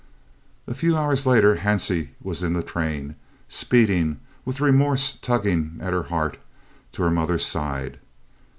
A few hours later Hansie was in the train, speeding, with remorse tugging at her heart, to her mother's side.